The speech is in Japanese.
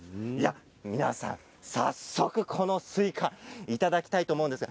皆さん、早速、このスイカいただきたいと思います。